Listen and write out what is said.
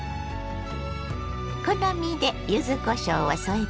好みで柚子こしょうを添えてね。